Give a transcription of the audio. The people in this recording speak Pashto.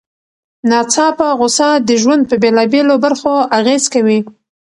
ناڅاپه غوسه د ژوند په بېلابېلو برخو اغېز کوي.